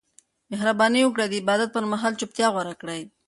مهرباني وکړئ د عبادت پر مهال چوپتیا غوره کړئ.